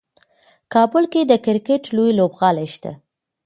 کابل کې د کرکټ لوی لوبغالی شته.